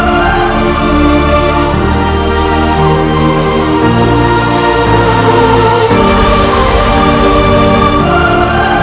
aku selalu bersantai denganlevel expand